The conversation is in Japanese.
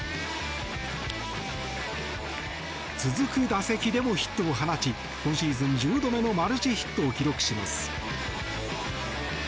続く打席でもヒットを放ち今シーズン１０度目のマルチヒットを記録します。